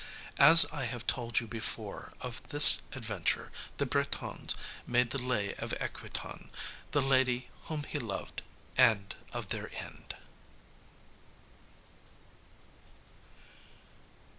As I have told you before, of this adventure the Bretons made the Lay of Equitan, the lady whom he loved, and of their end.